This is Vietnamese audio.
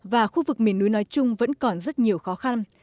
và khu vực miền núi nói chung vẫn còn rất nhiều khó khăn